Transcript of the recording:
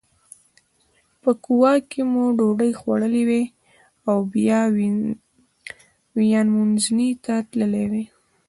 په کووا کې مو ډوډۍ خوړلې وای او بیا ویامنزوني ته تللي وای.